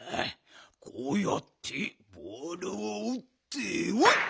こうやってボールをうってほっ！